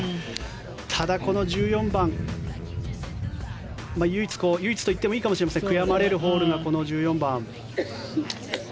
ただ、この１４番唯一と言っていいかもしれません悔やまれるホールがこの１４番。